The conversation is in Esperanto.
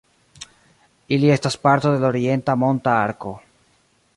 Ili estas parto de la Orienta Monta Arko.